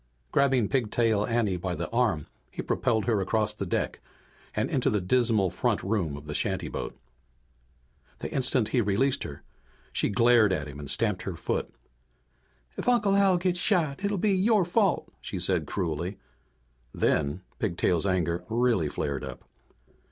Grabbing Pigtail Anne by the arm, he propelled her across the deck and into the dismal front room of the shantyboat. The instant he released her she glared at him and stamped her foot. "If Uncle Al gets shot it'll be your fault," she said cruelly. Then Pigtail's anger really flared up.